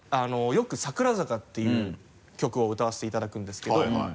よく「桜坂」っていう曲を歌わせていただくんですけど。